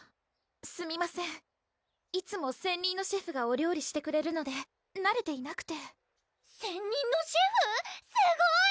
すみませんいつも専任のシェフがお料理してくれるのでなれていなくて専任のシェフ⁉すごい！